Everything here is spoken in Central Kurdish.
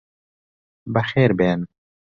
بەخێربێن.